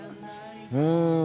うん。